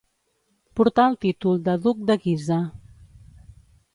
Portà el títol de duc de Guisa.